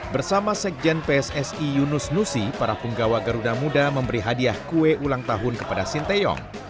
bersama sekjen pssi yunus nusi para punggawa garuda muda memberi hadiah kue ulang tahun kepada sinteyong